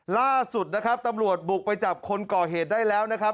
ล่าสุดนะครับตำรวจบุกไปจับคนก่อเหตุได้แล้วนะครับ